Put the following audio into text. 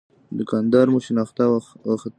دوکان دار مو شناخته وخت.